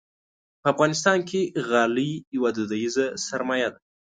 په افغانستان کې غالۍ یوه دودیزه سرمایه ده.